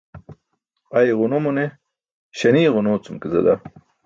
Ay ġuno mo ne śanie ġuno cum ke zada.